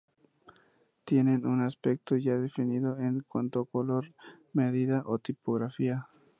Tienen un aspecto ya definido en cuanto a color, medida o tipografía.